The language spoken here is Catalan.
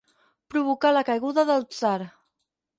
Provocar la caiguda del tsar.